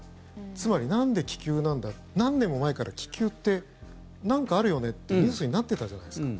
つまり、なんで気球なんだ何年も前から気球ってなんかあるよねってニュースになってたじゃないですか。